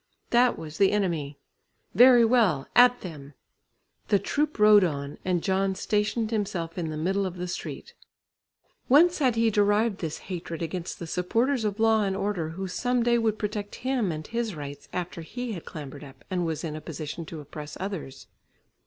That was the enemy! very well at them! The troop rode on and John stationed himself in the middle of the street. Whence had he derived this hatred against the supporters of law and order, who some day would protect him and his rights after he had clambered up, and was in a position to oppress others?